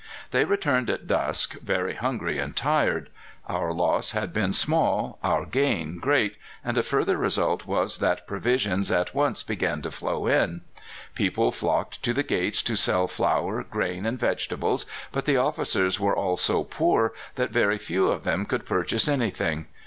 They returned at dusk, very hungry and tired. Our loss had been small, our gain great, and a further result was that provisions at once began to flow in. People flocked to the gates to sell flour, grain, and vegetables. But the officers were all so poor that very few of them could purchase anything.